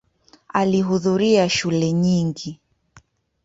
Alihudhuria shule nyingi.